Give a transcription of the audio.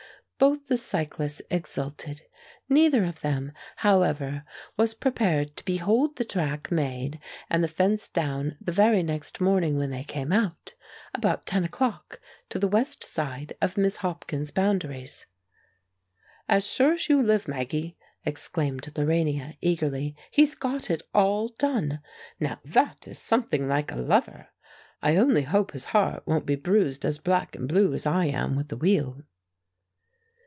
Both the cyclists exulted. Neither of them, however, was prepared to behold the track made and the fence down the very next morning when they came out, about ten o'clock, to the west side of Miss Hopkins's boundaries. "As sure as you live, Maggie," exclaimed Lorania, eagerly, "he's got it all done! Now that is something like a lover. I only hope his heart won't be bruised as black and blue as I am with the wheel!"